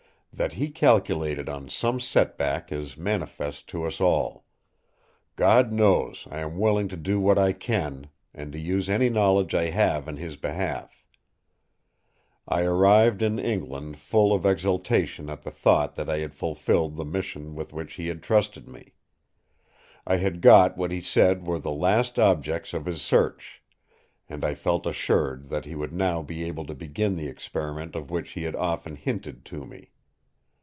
That he calculated on some set back is manifest to us all. God knows! I am willing to do what I can, and to use any knowledge I have in his behalf. I arrived in England full of exultation at the thought that I had fulfilled the mission with which he had trusted me. I had got what he said were the last objects of his search; and I felt assured that he would now be able to begin the experiment of which he had often hinted to me.